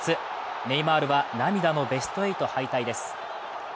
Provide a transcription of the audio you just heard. ネイマールは涙のベスト８敗退です